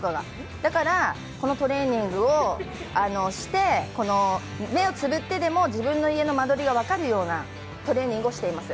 だからこのトレーニングをして自分の家の間取りが分かるようなトレーニングをしています。